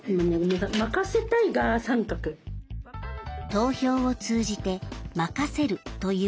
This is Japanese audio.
投票を通じて「任せる」という言葉。